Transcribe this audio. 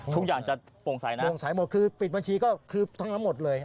ทุกอย่างจะโปร่งใสนะโปร่งใสหมดคือปิดบัญชีก็คือทั้งหมดเลย